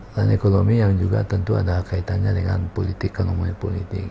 dan ekonomi yang juga tentu ada kaitannya dengan politik ekonomi politik